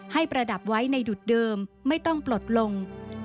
ประดับไว้ในดุดเดิมไม่ต้องปลดลง